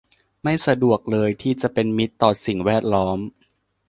ไม่สะดวกเลยที่จะเป็นมิตรต่อสิ่งแวดล้อม